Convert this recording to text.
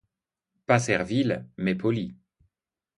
Pas servile, mais poli.